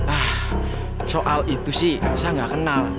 ah soal itu sih saya nggak kenal